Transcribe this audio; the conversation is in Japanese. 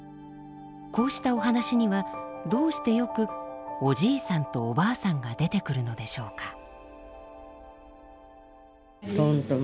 こうしたお話にはどうしてよくおじいさんとおばあさんが出てくるのでしょうか。